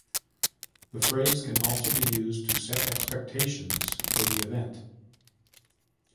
The phrase can also be used to set expectations for the event.